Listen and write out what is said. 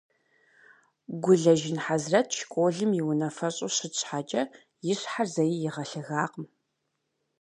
Гулэжын Хьэзрэт школым и унафэщӏу щыт щхьэкӏэ и щхьэр зэи игъэлъэгакъым.